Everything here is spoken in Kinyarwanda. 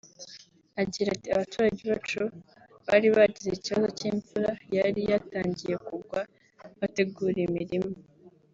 Agira ati “Abaturage bacu bari bagize ikibazo cy’imvura yari yatangiye kugwa bategura imirima